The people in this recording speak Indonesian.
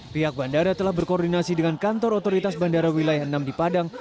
pihak bandara telah berkoordinasi dengan kantor otoritas bandara wilayah enam di padang